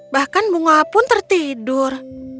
bahkan bunga pun tertidur